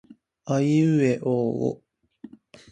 あいうえおおお